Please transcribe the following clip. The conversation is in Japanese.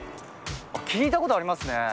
聞いたことありますね。